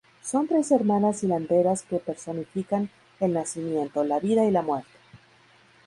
Son tres hermanas hilanderas que personifican el nacimiento, la vida y la muerte.